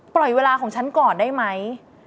ปล่อยเวลาของฉันก่อนได้ไหม